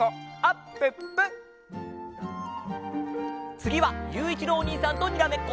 つぎはゆういちろうおにいさんとにらめっこ！